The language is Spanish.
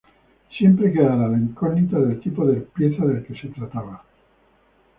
Siempre quedará la incógnita del tipo de pieza del que se trataba.